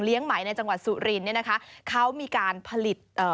ไหมในจังหวัดสุรินเนี่ยนะคะเขามีการผลิตเอ่อ